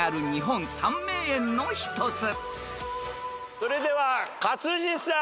それでは勝地さん。